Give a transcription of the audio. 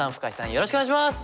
よろしくお願いします。